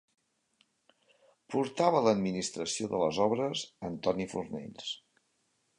Portava l'administració de les obres Antoni Fornells.